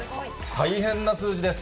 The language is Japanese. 大変な数字です。